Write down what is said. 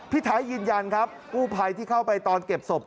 ท้ายยืนยันครับกู้ภัยที่เข้าไปตอนเก็บศพ